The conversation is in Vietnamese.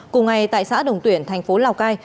cùng ngày tại xã đồng tuyển thành phố lào cai